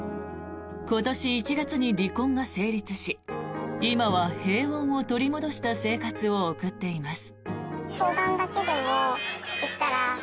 今年１月に離婚が成立し今は平穏を取り戻した生活を送っています。